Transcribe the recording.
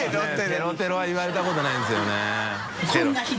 テロテロ」は言われたことないんですよね。